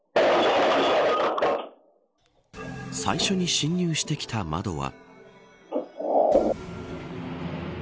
最初に侵入してきた窓は。